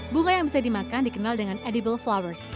bunga yang bisa dimakan dikenal dengan edible flowers